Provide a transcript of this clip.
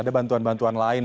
ada bantuan bantuan lain